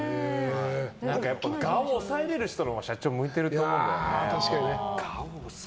やっぱり我を抑えられる人のほうが社長、向いてると思うんだよな。